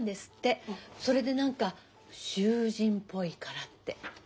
それで何か囚人っぽいからって。